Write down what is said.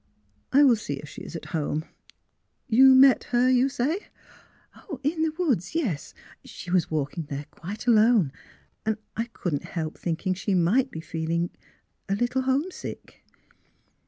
^' I will see if she is at home. You — met her, you say? "'' In the woods — yes. She was walking there quite alone, and — I — I couldn't help thinking she might be feeling — a little homesick."